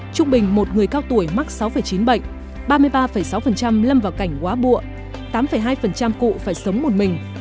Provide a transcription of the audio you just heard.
trung bình một người cao tuổi mắc sáu chín bệnh ba mươi ba sáu lâm vào cảnh quá buộng tám hai cụ phải sống một mình